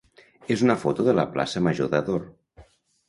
és una foto de la plaça major d'Ador.